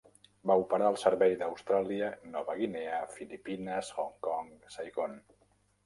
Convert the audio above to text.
Va operar al servei d'Austràlia, Nova Guinea, Filipines, Hong Kong, Saigon.